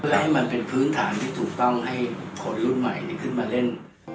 เพื่อให้มันเป็นพื้นฐานที่ถูกต้องให้คนรุ่นใหม่ขึ้นมาเล่น